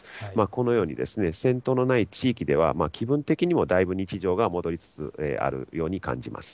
このように戦闘のない地域では、気分的にもだいぶ日常が戻りつつあるようにも感じます。